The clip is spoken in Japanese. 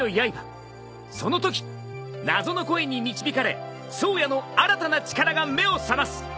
そのとき謎の声に導かれ颯也の新たな力が目を覚ます。